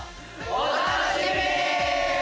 お楽しみに！